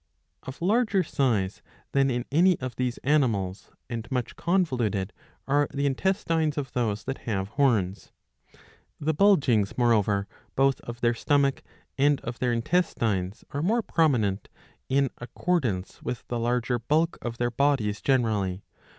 ^^ Of larger size than in any of these animals, and much con voluted, are the intestines of those that have horns.^' The bulgings moreover both of their stomach and of their intestines are more prominent, in accordance with the larger bulk of their bodies generally.